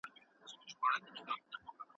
شیدې هډوکي کلکوي.